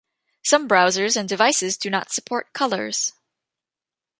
Some browsers and devices do not support colors.